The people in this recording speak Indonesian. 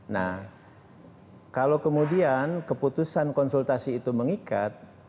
nah kalau kemudian keputusan konsultasi itu mengikat